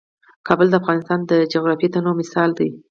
کابل د افغانستان د جغرافیوي تنوع مثال دی.